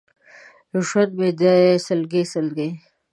ژوند مې دی سلګۍ، سلګۍ!